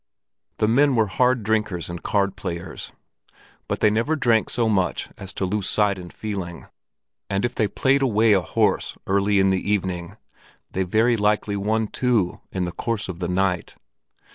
The men were hard drinkers and card players; but they never drank so much as to lose sight and feeling; and if they played away a horse early in the evening, they very likely won two in the course of the night.